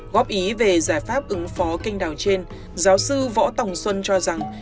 góp ý về giải pháp ứng phó canh đào trên giáo sư võ tòng xuân cho rằng